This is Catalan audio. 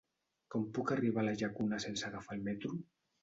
Com puc arribar a la Llacuna sense agafar el metro?